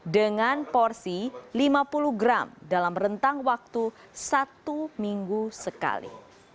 dengan porsi lima puluh gram dalam rentang waktu satu minggu sekali